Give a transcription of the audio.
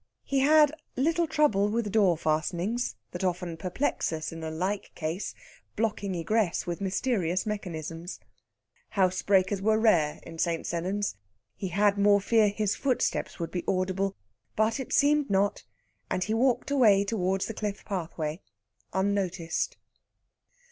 He had little trouble with the door fastenings, that often perplex us in a like case, blocking egress with mysterious mechanisms. Housebreakers were rare in St. Sennans. He had more fear his footsteps would be audible; but it seemed not, and he walked away towards the cliff pathway unnoticed.